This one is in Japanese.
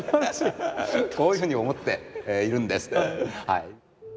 こういうふうに思っているんですはい。